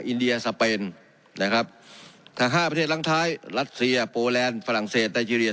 อินเดียสเปนนะครับถ้าห้าประเทศหลังท้ายรัสเซียโปแลนด์ฝรั่งเศสไตเจรีย